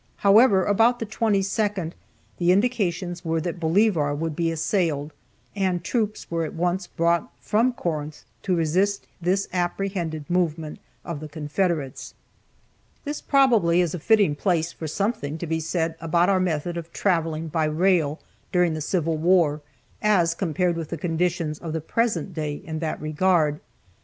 However, about the 22nd, the indications were that Bolivar would be assailed, and troops were at once brought from Corinth to resist this apprehended movement of the Confederates. This probably is a fitting place for something to be said about our method of traveling by rail during the Civil war, as compared with the conditions of the present day in that regard.